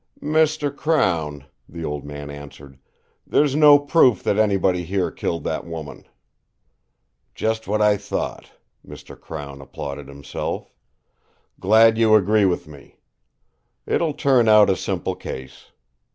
"Mr. Crown," the old man answered, "there's no proof that anybody here killed that woman." "Just what I thought," Mr. Crown applauded himself. "Glad you agree with me. It'll turn out a simple case.